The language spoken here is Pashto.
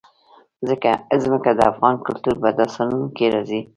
ځمکه د افغان کلتور په داستانونو کې راځي.